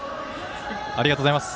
ありがとうございます。